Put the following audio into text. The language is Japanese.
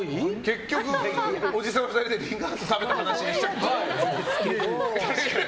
結局おじさんでリンガーハット食べた話でしたけど。